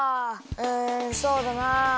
うんそうだな。